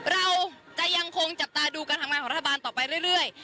เราจะยังคงจับตาดูการทำงานของรัฐบาลต่อไปเรื่อย